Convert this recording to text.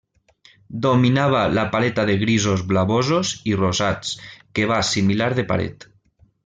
Dominava la paleta de grisos blavosos i rosats que va assimilar de Paret.